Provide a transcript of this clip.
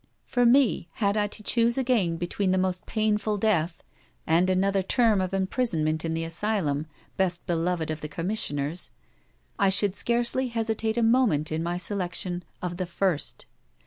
For me, had I to choose again between the most painful death and another term of imprisonment in the asylum best beloved of the Commissioners, I should scarcely hesitate a moment in my selection of the first.